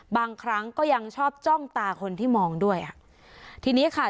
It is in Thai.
บางครั้งก็ยังชอบจ้องตาคนที่มองด้วยอ่ะทีนี้ค่ะ